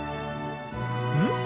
うん？